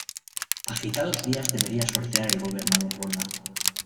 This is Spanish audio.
Agitados días debería sortear el gobernador Borda.